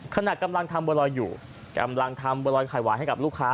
ขณะกำลังทำบัวรอยอยู่กำลังทำบัวรอยไข่หวานให้กับลูกค้า